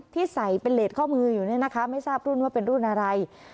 ที่ใส่เป็นเลสข้อมืออยู่เนี่ยนะคะไม่ทราบรุ่นว่าเป็นรุ่นอะไร